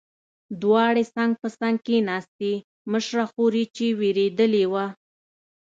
دواړې څنګ په څنګ کېناستې، مشره خور یې چې وېرېدلې وه.